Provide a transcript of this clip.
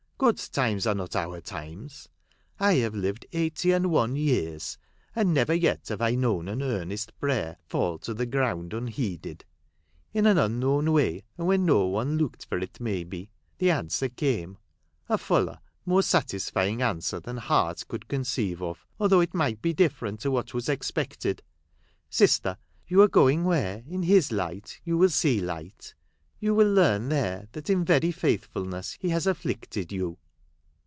God's times are not our times. I have lived eighty and one years, and never yet have I known an earnest prayer fall to the ground unheeded. In an unknown way, and when no one looked for it, may be, the answer came ; a fuller, more satisfying answer than heart could conceive of, although it might be different to what was expected. Sister, you are going where in His light you will see light ; you will learn there that in very faithfulness he has afflicted you